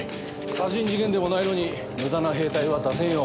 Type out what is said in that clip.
殺人事件でもないのに無駄な兵隊は出せんよ。